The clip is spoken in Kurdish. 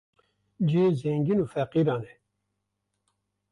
cihê zengîn û feqîran e